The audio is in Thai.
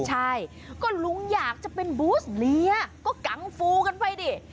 ใช่ก็ลุงอยากจะเป็นบูสเลียก็กังฟูกันไปดิ